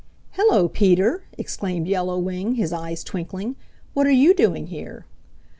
"Hello, Peter!" exclaimed Yellow Wing, his eyes twinkling. "What are you doing here?"